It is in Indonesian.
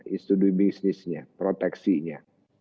istuduh bisnisnya proteksinya